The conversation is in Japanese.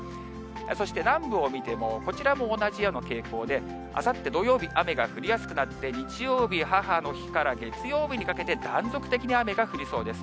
そして、南部を見ても、こちらも同じような傾向で、あさって土曜日、雨が降りやすくなって、日曜日、母の日から月曜日にかけて、断続的に雨が降りそうです。